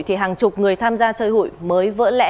thì hàng chục người tham gia chơi hụi mới vỡ lẽ